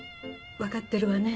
分かってるわね。